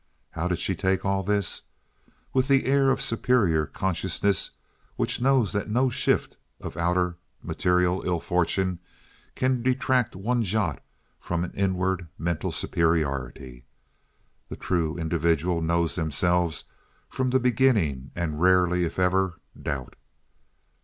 How did she take all this? With that air of superior consciousness which knows that no shift of outer material ill fortune can detract one jot from an inward mental superiority. The truly individual know themselves from the beginning and rarely, if ever, doubt.